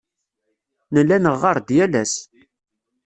Nella neɣɣar-d yal ass.